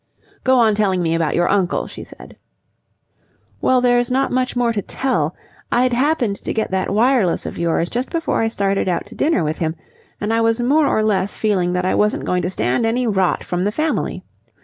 "Go on telling me about your uncle," she said. "Well, there's not much more to tell. I'd happened to get that wireless of yours just before I started out to dinner with him, and I was more or less feeling that I wasn't going to stand any rot from the Family.